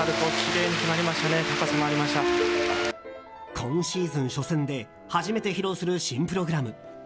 今シーズン初戦で初めて披露する新プログラム。